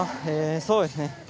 そうですね。